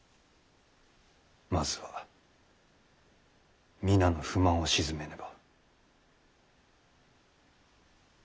まずは皆の不満を静めねば。